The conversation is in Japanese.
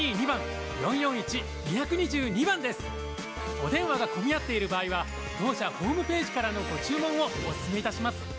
お電話が混み合っている場合は当社ホームページからのご注文をお勧めいたします。